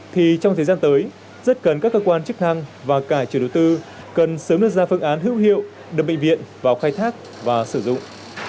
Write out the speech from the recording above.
thì trong thời gian tới rất cần các cơ quan chức năng và cả chủ đối tư cần sớm đưa ra phương án hữu hiệu đưa bệnh viện vào khai thác và sử dụng